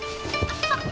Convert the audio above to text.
あっ。